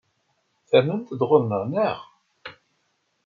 Ternamt-d ɣur-neɣ, naɣ?